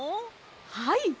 はい。